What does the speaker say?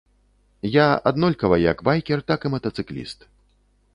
Я аднолькава як байкер, так і матацыкліст.